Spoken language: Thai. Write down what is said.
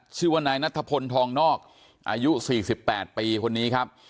ชื่อว่านายนัทพลทองนอกอายุ๔๘ปีคนนี้ครับ